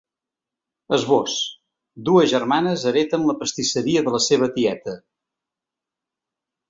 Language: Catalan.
Esbós: Dues germanes hereten la pastisseria de la seva tieta.